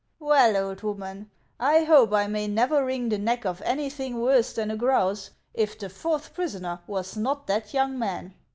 " Well, old woman, I hope I may never wring the neck of anything worse than a grouse, if the fourth prisoner was not that young man.